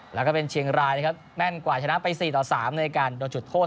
แล้วก็เป็นเชียงรายนะครับแม่นกว่าชนะไป๔ต่อ๓ในการโดนจุดโทษ